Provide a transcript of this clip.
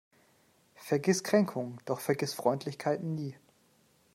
Vergiss Kränkungen, doch vergiss Freundlichkeiten nie.